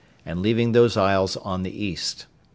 and leaving those isles on the east.